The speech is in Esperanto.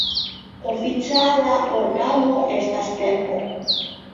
Oficiala organo estas Tempo.